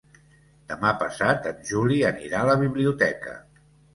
Demà passat en Juli anirà a la biblioteca.